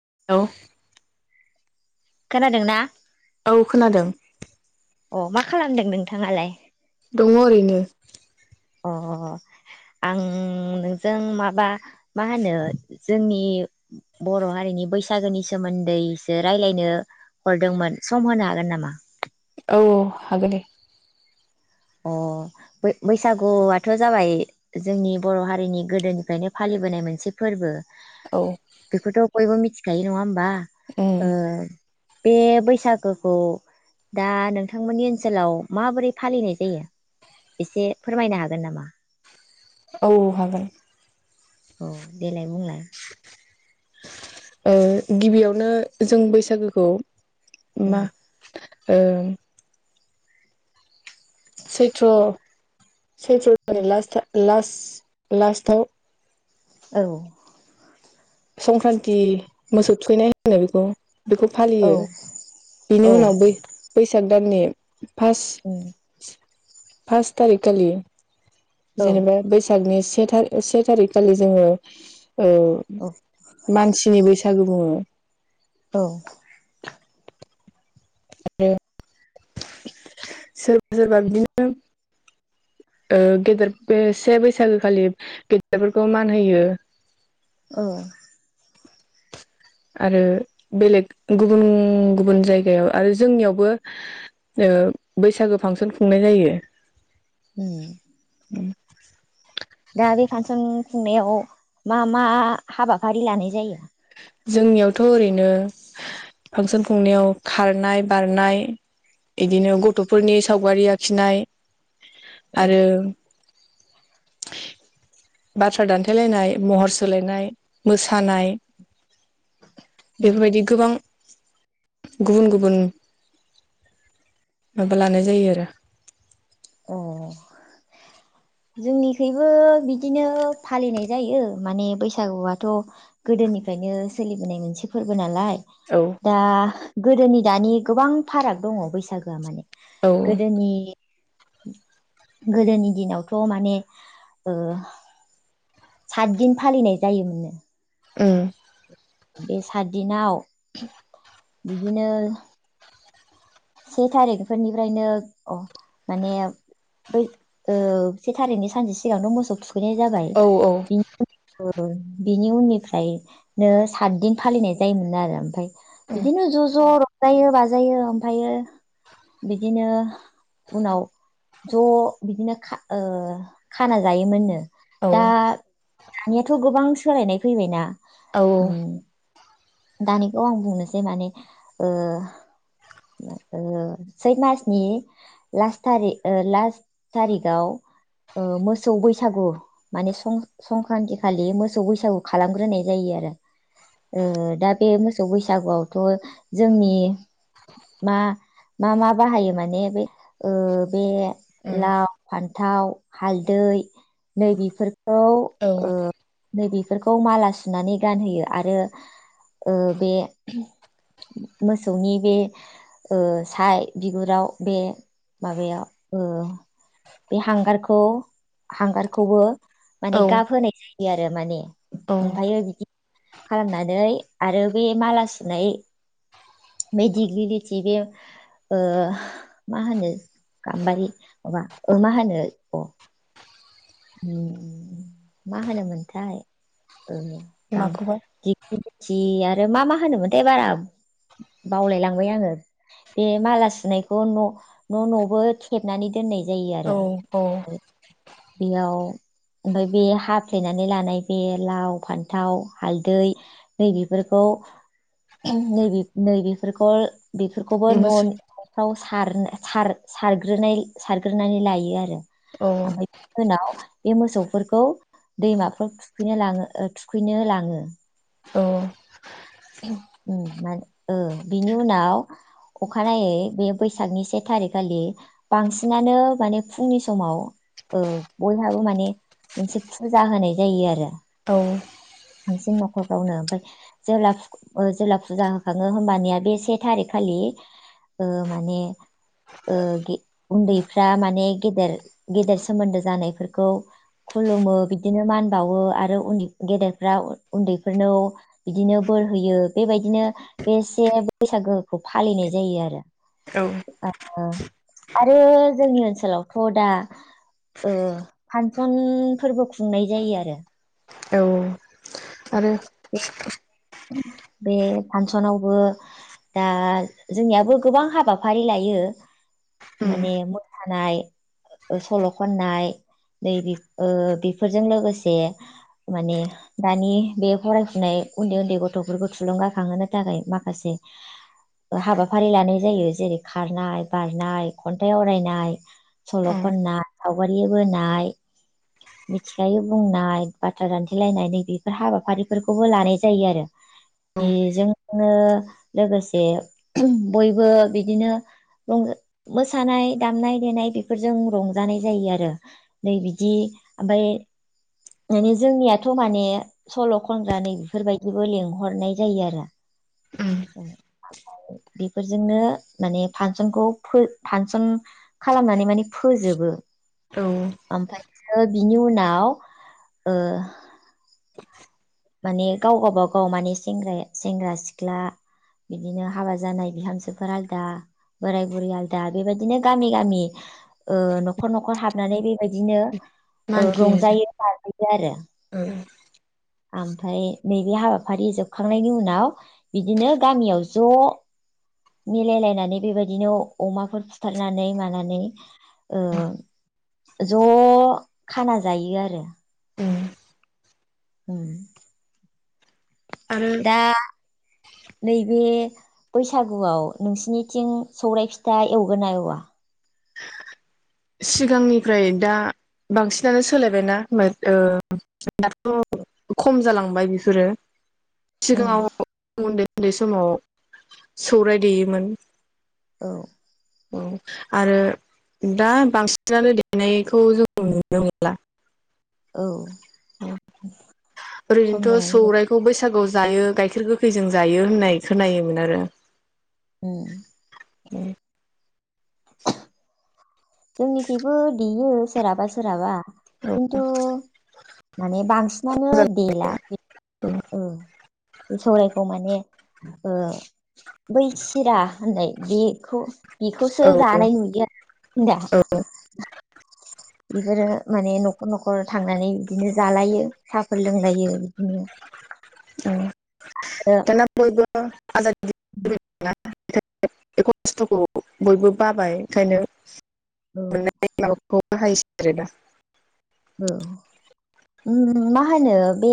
[unintelligible] खोनादोंना औ खोनादों अ मा खालामदों नोंथाङालाय? दङ ओरैनो अ आं नोंजों माबा मा होनो जोंनि बर' हारिनि बैसागोनि सोमोन्दैसो राय्लायनो हरदोंमोन सम होनो हागोन नामा? औ होगोनदे अ बैसागुआथ जाबाय जोंनि बर'हारिनि गोदोनिफ्रायनो फालिबोनाय मोनसे फोरबो औ बेखौथ बयबो मिथि खायो नङा होमबा। उम ओ बे बैसागोखौ दा नोंथांमोननि ओनसोलाव माबोरै फालिनाय जायो एसे फोरमायनो हागोन नामा? औ हागोन। औ देलाय बुंलाय ओ गिबियावनो जों बैसागोखौ मा ओ सैथ्र सैथ्र ला ला लास्टाव औ संक्रान्ति मोसौ थुखैनाय होनो बेखौ बेखौ औ फालियो बिनि उनाव बै बैसाग [unintelligible] फास फास थारिख खालि। औ जेनेबा बैसागनि से थारि से थारिख खालि जोङो औ मानसिनि बैसागु बुङो औ। आरो। सोरबा सोरबा बिदिनो ओ गेदेर बे से बैसागो खालि गेदेरफोरखौ मान होयो औ। आरो बेलेग गुबुन गुबुन जायगायाव आरो जोंनियावबो बैसागो ओ फांसन खुंनाय जायो। हम। ओम दा बे फांसन खुंनायाव मा मा हाबाफारि लानाय जायो? जोंनियावथ ओरैनो फांसन खुंनायाव खारनाय बारनाय इदिनो गथ' फोरनि सावगारि आखिनाय औ आरो बाथ्रा दान्थेलायनाय महर सोलायनाय मोसानाय बेफोरबायदि गोबां गुबुन गुबुन माबा लानाय जायो आरो औ जोंनिखबो बिदिनो फालिनाय जायो माने बैसागुआथ' गोदोनिफ्रायनो सोलिबोनाय मोनसे फोरबो नालाय दा गोदोनि दानि गोबां फाराग दङ बैसागोआ माने औ गोदोनि गोदोनि दिनावथ माने ओ सात दिन फालिनाय जायोमोननो उम। बे सातदिनाव बिदिनो से थारिख फोरनिफ्रायनो अ माने बै ओ से थारिखनि सानसे सिगांथ मोसौ थुख खैनाय जाबाय औ औ बिनि ओ बिनि उननिफ्रायनो सातदिन फालिनाय जायोमोन आरो ओमफ्राय उम बिदिनो ज ज रं जायो बाजायो ओम ओमफ्रायो बिदिनो उनाव ज बिदिनो खा ओ खाना जायोमोननो औ दा दानियाथ गोबां सोलायनाय फैबायना। उम। दानिखौ आं बुंनोसै माने ओ ओ सैथ मासनि लास थारि लास थारिखाव मोसौ बैसागु माने सं-संक्रान्ति खालि मोसौ बैसागु खालामग्रोनाय जायो आरो ओ दा बे मोसौ बैसागुआवथ जोंनि मा मा मा बाहायो माने बे ओ बे लाव फान न्थाव हालदै नै बेफोरखौ औ ओ नै बेफो बेफोरखौ माला सुनानै गानहोयो आरो ओ बे मोसौनि बे ओ साय बिगुराव बे माबाया ओ बे हांगारखौ हांगारखौबो माने औ गाबहोनाय जायो आरो माने औ ओमफ्रायो बिदि खालामनानै आरो बे माला सुनाय बै दिग्लिलिथि बे ओ मा होनो गाम्बारि माबा मा होनो अ ओम मा होनोमोनथाय ओ माखौबा गाम-दिग्लिलिथि आ रो मा मा होनोमोनथाय बारा बावलाय लांबाय आङो बे माला सुनायखौ न न नबो थेबनानै दोन दोननाय जायो औ आरो औ बेयाव ओमफ्राय बे हाफ्लेनानै लानाय बे लाव फान्थाव हालदै नै बेफोरखौ नै बेफ-फोरखौ बेफोरखौबो न' मोसौ न'फ्राव सारनो-सार-सारग्रोनाय-सारग्रोनानै लायो आरो औ ओमफ्राय उनाव बे मोसौफोरखौ दैमाफोर थुखैनो लाङो थुखैनो लाङो औ मान बिनि उनाव अखानायै बे बैसागनि से थारिकखालि बांसिनानो माने फुंनि समाव ओ बयहाबो माने मोनसे फुजा होनाय जायो आरो औ बांसिन नखरफ्रावनो ओमफ्राय जे जेब्ला फुजा होखाङो होमबानिया बे से थारिख खालि ओ माने उन्दैफ्रा ओ माने गेदेर गेदेर सोमोन्दो जानायफोरखौ खुलुमो बिदिनो मान बावो आरो उन्दै गेदेरफ्रा उन्दैफोरनाव बिदिनो बोर होयो बेबायदिनो बेसे बैसागोखौ फालिनाय जायो आरो औ आरो जोंनि ओनसोलावथ' दा ओ फानसन फोरबो खुंनाय जायो आरो औ आरो बे बे फासनावबो दा जोंनियाबो गोबां हाबाफारि लायो उम माने मोसानाय सल' खननाय नै बेफोर ओ बेफोरजों लोगोसे माने दानि बे फरायफुनाय उन्दै उन्दै गथफोरखौ थुलुंगाखांहोनो थाखाय माखासे हाबाफारि लानाय जायो जेरै खारनाय बारनाय खन्थाइ आवरायनाय सल औ खननाय सावगारि बोनाय मिथिखायै बुंनाय बाथ्रा रान्थिलायनाय बेफोर हाबाफारिफोरखौबो लानाय जायो आरो औ बे जों ओ लोगोसे बयबो बिदिनो रंजा मोसानाय दामनाय देनाय बेफोरजों रंजानाय जायो आरो नै बिदि ओमफाय मानि जोंनियाथ माने सल खनग्र नै बेफोरबायदिबो लेंंहरनाय जायो आरो उम [inaudible] बेफोरजोंनो माने फानसनखौ फानसन खालामनानै माने फोजोबो औ ओमफायसो बिनि उनाव ओ माने गाव गावबागाव माने सेंग-सेंग्रा सिख्ला बिदिनो हाबा जानाय बिहामजोफोर आलदा बोराय बुरै आलदा बेबायदिनो गामि गामि ओ नखर नखर हाब नानै बेबायदिनो ओ मागियो जों रंजायो बाजायो आरो औ ओमफ्राय नैबे हाबाफारि जोबखांनायनि उनाव बिदिनो गामियाव ज मिलायलायनानै बेबायदिनो अमाफोर फुथारनानै मानानै ओ ज खाना जायो आरो उम उम आरो दा नैबे बैसागुआव नोंसिनिथिं सौराइ फिथा एवगोना एवा? सिगांनिफ्राय दा बांसिनानो सोलायबायना ओ दाथ खम जालांबाय बेफोरो उम सिगाङाव [unintelligible] उन्दै समाव सौराय देयोमोन औ आरो दा बांसिनानो देनायखौ जों नुनो मोनला औ ओरैनोथ समजों लोगोसे सौरायाइखौ बैसागुआव जायो गाय खेर गोखैजों जायो होननाय खोनायोमोन आरो उम [inaudible] जोंनिखिबो बि उम सोरहाबा सोरहाबा औ खिन्थु माने बांसिनानो औ देला औ बे सौरायखौ माने ओ बै सिरा होननाय बेखौ बेखौसो औ जानाय नुयो दा बेफोरो माने नखर नखर थांनानै बिदिनो जालायो सा फोर लोंलायो बिदिनो आरो दाना बयबो आजादि [unintelligible] [unintelligible] खस्थखौ बयबो बाबाय ओंखायनो औ [unintelligible] [unintelligible] औ मा ओम होनो बे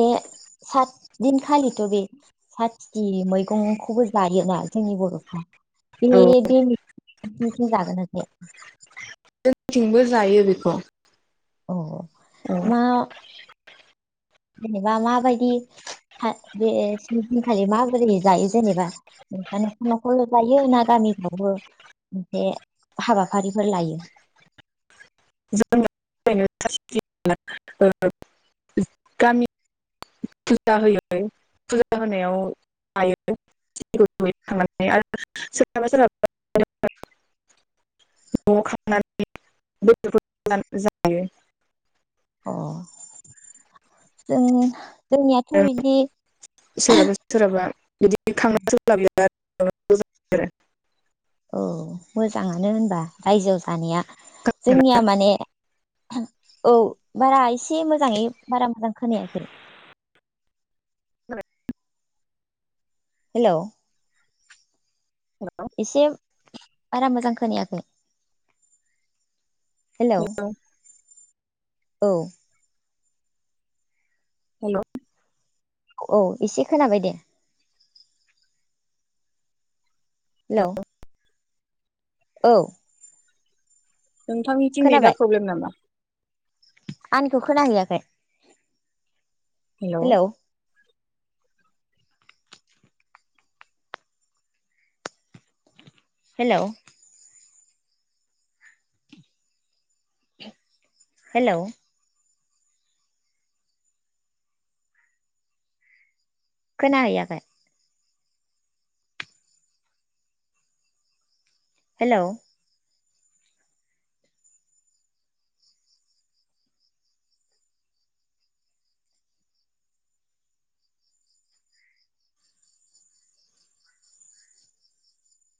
सात दिनखालिथ बे सातथिथि मैगंखौबो जायोना जोंनि बरफ्रा औ बिनि [unintelligible] जागोन ना जाया? जोंथिंबो जायो बेखौ औ औ मा? जेनेबा लाबायदि बे दिनखालि माबोरै जायो जेनेबा न'खर न'खरल' जायो ना गामिफ्रावबो मोनसे हाबाफारिफोर लायो? [inaudible] गामि फुजा होयो फुजा होनायाव लायो आरो सोरहाबा सोरहाबा न'आव खांनानै [inaudible] जायो। अ। जों जोंनियाथ' बिदि सोरहाबा सोरहाबा बिदि खांना सोलाबियाव [inaudible] औ दानिया जोंनिया माने औ बारा एसे मोजाङै बारा मोजां खोनायाखै। हेलौ। एसे बारा मोजां खोनायाखै। हेलौ। औ। हेलौ। औ एसे खोनाबाय दे। हेलौ। औ। नोंथांनिथिं नेदा खोनाबाय प्रब्लेम नामा? आंनिखौ खोनाहैयाखै? हेलौ। हेलौ। हेलौ खोनाहैयाखै? हेलौ।